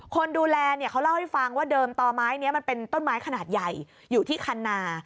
คนดูแลเนี่ยเขาเล่าให้ฟังว่าเดิมต่อไม้นี้มันเป็นต้นไม้ขนาดใหญ่อยู่ที่คันนา